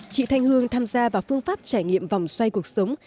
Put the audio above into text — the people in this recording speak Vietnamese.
chị thanh hương tham gia vào phương pháp trải nghiệm vòng xoay cuộc sống